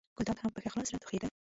ګلداد هم ښه په خلاص زړه ټوخېده.